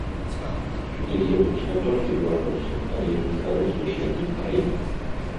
Сюды едуць не толькі беларусы, але і жыхары суседніх краін.